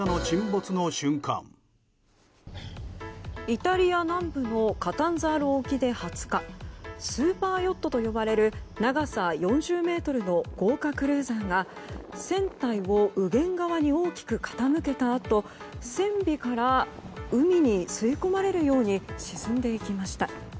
イタリア南部のカタンザーロ沖で２０日スーパーヨットと呼ばれる長さ４０ｍの豪華クルーザーが船体を右舷側に大きく傾けたあと船尾から海に吸い込まれるように沈んでいきました。